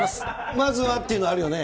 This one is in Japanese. まずはっていうのあるよね。